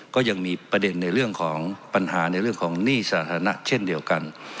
ก็ยังมีประเด็นในเรื่องของปัญหาในเรื่องของหนี้สาธารณะเช่นเดียวกัน